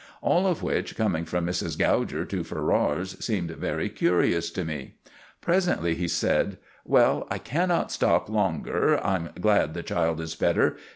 All of which, coming from Mrs. Gouger to Ferrars, seemed very curious to me. Presently he said: "Well, I cannot stop longer. I'm glad the child is better.